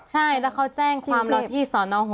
ใช่แล้วเขาแจ้งความรอดที่สอนอาหวะมาก